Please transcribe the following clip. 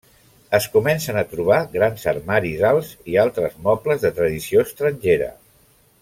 Es comencen a trobar grans armaris alts i altres mobles de tradició estrangera.